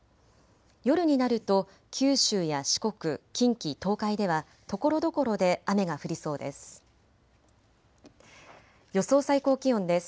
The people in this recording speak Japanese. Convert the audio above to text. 夜になると九州や四国、近畿、東海ではところどころで雨が降りそうです。